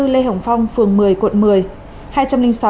sáu trăm năm mươi bốn lê hồng phong phường một mươi quận một mươi